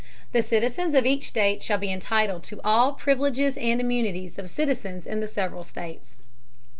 The Citizens of each State shall be entitled to all Privileges and Immunities of Citizens in the several States.